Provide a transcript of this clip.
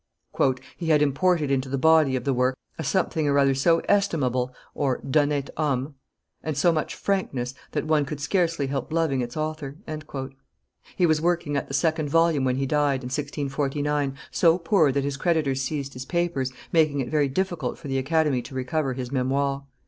"He had imported into the body of the work a something or other so estimable (d'honnete homme), and so much frankness, that one could scarcely help loving its author." He was working at the second volume when he died, in 1649, so poor that his creditors seized his papers, making it very difficult for the Academy to recover his Memoires.